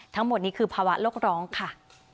ทั้งหมดนี้คือภาวะโลกร้องค่ะ